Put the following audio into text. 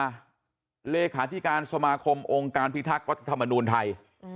รับเลขาธิการสมาคมโองการพิทักษ์วัฒนธรรมนูลไทย